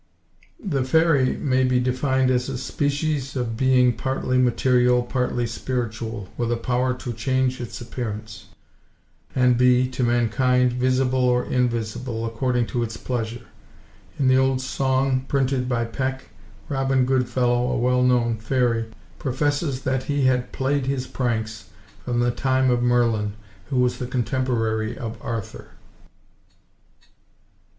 _) The fairy may be defined as a species of being partly material, partly spiritual, with a power to change its appearance, and be, to mankind, visible or invisible, according to its pleasure. In the old song, printed by Peck, Robin Goodfellow, a well–known fairy, professes that he had played his pranks from the time of Merlin, who was the contemporary of Arthur.